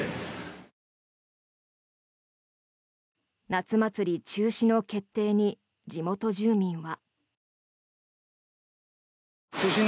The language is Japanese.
夏祭り中止の決定に地元住民は。